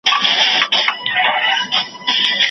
پر لکړه مي بار کړی د ژوندون د لیندۍ پېټی